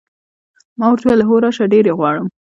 ما ورته وویل: هو، راشه، ډېر یې غواړم.